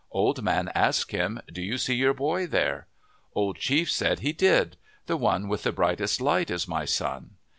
" Old man ask him, ' Do you see your boy there ?' "Old Chief said he did. The one with the brightest light is my son.'